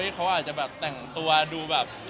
เขาอาจจะแบบแต่งตัวดูแบบ